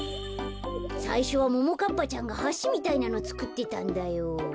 さいしょはももかっぱちゃんがはしみたいなのつくってたんだよ。